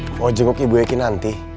mau jenguk ibu eki nanti